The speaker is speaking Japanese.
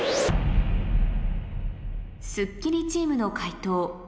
『スッキリ』チームの解答